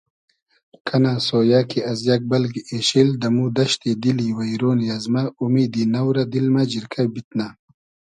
کئنۂ سۉیۂ کی از یئگ بئلگی اېشیل دئمو دئشتی دیلی وݷرۉنی ازمۂ اومیدی نۆ رۂ دیل مۂ جیرکۂ بیتنۂ